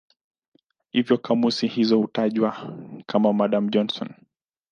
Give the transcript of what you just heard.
Hivyo kamusi hizo hutajwa kama "Madan-Johnson".